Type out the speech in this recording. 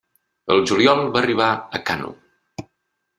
Al juliol va arribar a Kano.